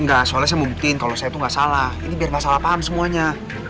enggak soalnya saya mau buktiin kalau saya itu ga salah ini biar mas salah paham semuanya